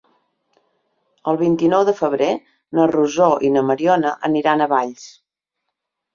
El vint-i-nou de febrer na Rosó i na Mariona aniran a Valls.